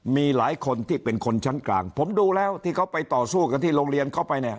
มีหลายคนที่เป็นคนชั้นกลางผมดูแล้วที่เขาไปต่อสู้กันที่โรงเรียนเข้าไปเนี่ย